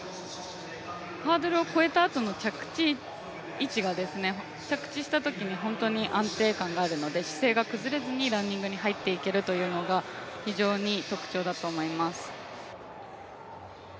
ハードルを越えたあとの着地位置が本当に安定感があるので姿勢が崩れずにランニングに入っていけるというのが非常に特徴だと思います。